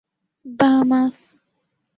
Bahamas